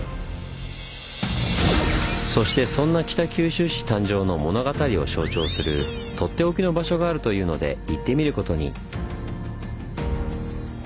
そしてそんな北九州市誕生の物語を象徴するとっておきの場所があるというので行ってみることに。